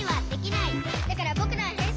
「だからぼくらはへんしんだ！」